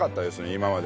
今までね。